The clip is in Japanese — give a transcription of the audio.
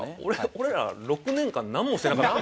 俺ら６年間なんもしてなかった？